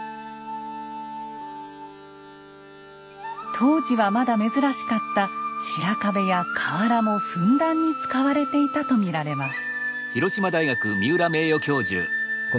当時はまだ珍しかった白壁や瓦もふんだんに使われていたと見られます。